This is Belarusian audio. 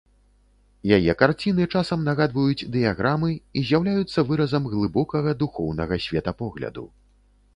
Яе карціны часам нагадваюць дыяграмы і з'яўляюцца выразам глыбокага духоўнага светапогляду.